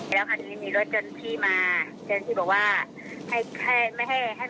แล้วทันทีมีรถเจินพี่มาเจินพี่บอกว่าไม่ให้ลงรถให้ขึ้นรถอย่างช้าง